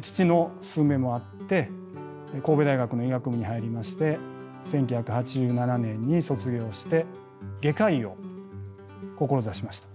父の勧めもあって神戸大学の医学部に入りまして１９８７年に卒業して外科医を志しました。